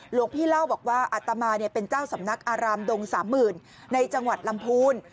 หลวงพี่เล่าบอกว่าอัตมาเป็นเจ้าสำนักอารามดง๓๐๐๐ในจังหวัดลำพูน